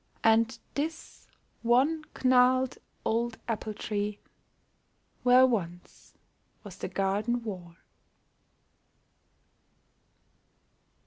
And this one gnarled old apple tree Where once was the garden wall